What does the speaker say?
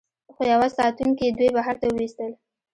خو یوه ساتونکي دوی بهر ته وویستل